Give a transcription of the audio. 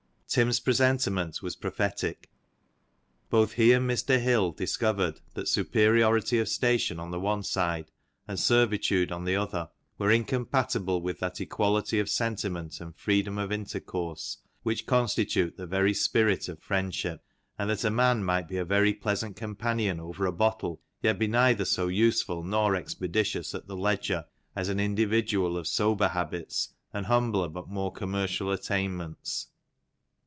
Tim's presentiment was prophetic ; both he and Mr. Hill discovered that superiority of station on the one side, and servitude on the other, were incompatible with that equality of sentiment and freedom of intercourse, which constitute the very spirit of friendship ; and that a man might be a very pleasant companion over a bottle, yet be neither so useful nor expeditious at the ledger, as an individual of sober habits and humbler but more commercial attainments.